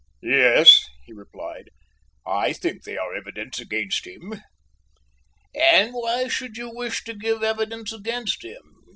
"Yes," he replied, "I think they are evidence against him." "And why should you wish to give evidence against him?